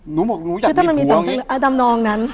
หนูบอกหนูอยากมีผัว